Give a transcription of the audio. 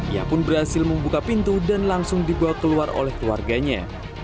ia pun berhasil membuka pintu dan langsung dibawa keluar oleh keluarganya